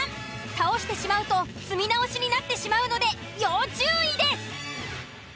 倒してしまうと積み直しになってしまうので要注意です。